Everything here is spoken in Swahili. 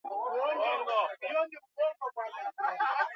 na meli zao katika bahari ya